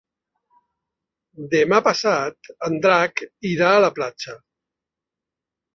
Demà passat en Drac irà a la platja.